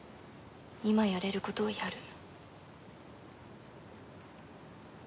今やれることをやる。